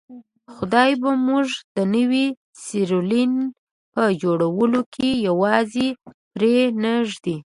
خدای به موږ د نوي سیریلیون په جوړولو کې یوازې پرې نه ږدي.